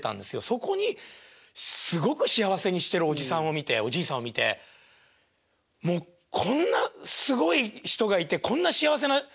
そこにすごく幸せにしてるおじさんを見ておじいさんを見てもうこんなすごい人がいてこんな幸せな商売があるんだ。